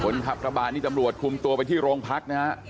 คนขับกระบาดนี่ตำรวจคุมตัวไปที่โรงพักนะฮะ